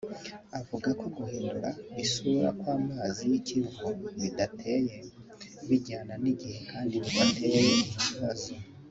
avuga ko guhindura isura kw’amazi y’ikivu bidateye bijyana n’igihe kandi bidateye ikibazo